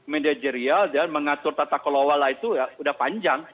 managerial dan mengatur tata kelola itu udah panjang